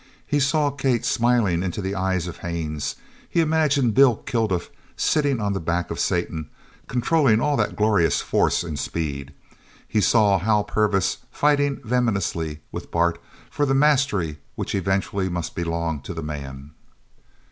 He saw Kate smiling into the eyes of Haines; he imagined Bill Kilduff sitting on the back of Satan, controlling all that glorious force and speed; he saw Hal Purvis fighting venomously with Bart for the mastery which eventually must belong to the man.